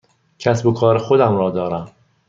کسب و کار خودم را دارم.